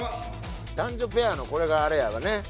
男女ペアのこれがあれやろね